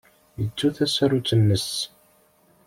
Yettu tasarut-nnes.